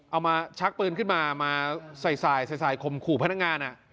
มาชักปืนขึ้นมามาใส่ข่มขู่พนักงาน